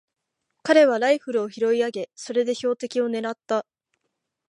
彼はライフルを拾い上げ、それで標的をねらった。